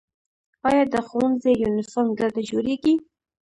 آیا د ښوونځي یونیفورم دلته جوړیږي؟